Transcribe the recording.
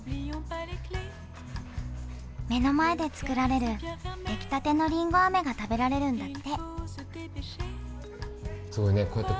目の前でつくられるできたてのりんごあめが食べられるんだって。